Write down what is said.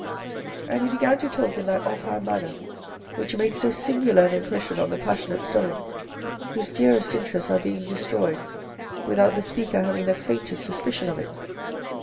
And he began to talk in that off hand manner which makes so singular an impression on the passionate soul, whose dearest interests are being destroyed without the speaker having the faintest suspicion of it.